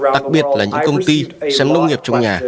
đặc biệt là những công ty sáng nông nghiệp trong nhà